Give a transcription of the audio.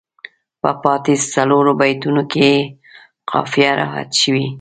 په پاتې څلورو بیتونو کې یې قافیه رعایت شوې.